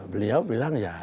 beliau bilang ya